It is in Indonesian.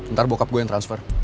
ntar boukap gue yang transfer